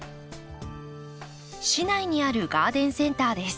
市内にあるガーデンセンターです。